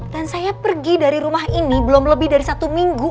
dan saya pergi dari rumah ini belum lebih dari satu minggu